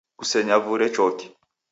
Kusenyavure choki